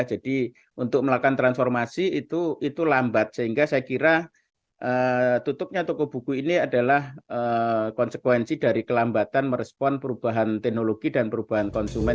jadi untuk melakukan transformasi itu lambat sehingga saya kira tutupnya toko buku ini adalah konsekuensi dari kelambatan merespon perubahan teknologi dan perubahan konsumen